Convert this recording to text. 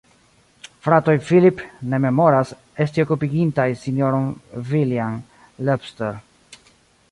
Fratoj Philip ne memoras, esti okupigintaj S-ron Villiam Lobster.